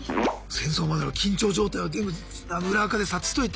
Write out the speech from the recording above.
戦争までの緊張状態を全部裏アカで察知しといて。